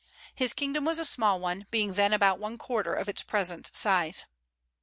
His kingdom was a small one, being then about one quarter of its present size.